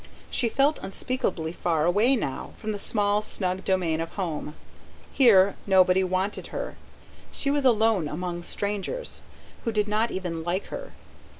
She felt unspeakably far away now, from the small, snug domain of home. Here, nobody wanted her ... she was alone among strangers, who did not even like her